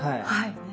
はい。